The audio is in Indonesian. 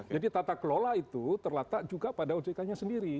jadi tata kelola itu terletak juga pada ojk nya sendiri